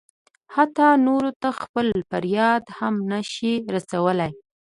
حتی نورو ته خپل فریاد هم نه شي رسولی.